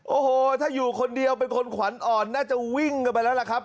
โอ้โหถ้าอยู่คนเดียวเป็นคนขวัญอ่อนน่าจะวิ่งกันไปแล้วล่ะครับ